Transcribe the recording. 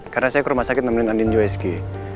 karena saya ke rumah sakit nemenin andin joeski